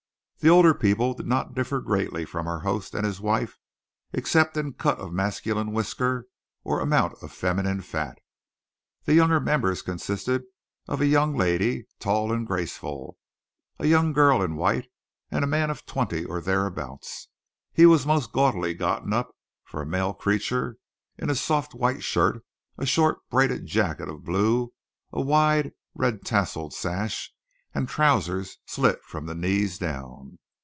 The older people did not greatly differ from our host and his wife, except in cut of masculine whisker, or amount of feminine fat. The younger members consisted of a young lady, tall and graceful, a young girl in white, and a man of twenty or thereabout. He was most gaudily gotten up, for a male creature, in a soft white shirt, a short braided jacket of blue, a wide, red tasselled sash, and trousers slit from the knees down.